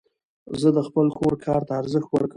زه د خپل کور کار ته ارزښت ورکوم.